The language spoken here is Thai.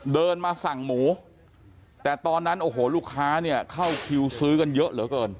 เดินมาสั่งหมูแต่ตอนนั้นโอ้โหลูกค้าเนี่ยเข้าคิวซื้อกันเยอะเหลือเกิน